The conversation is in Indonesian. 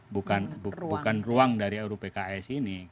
bukan ruang dari ruu pks ini